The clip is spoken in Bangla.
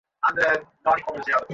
দ্রুত রাগ উঠলেও, আমাদের বুঝ হয় দেরিতে।